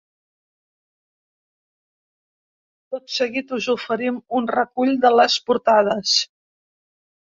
Tot seguit us oferim un recull de les portades.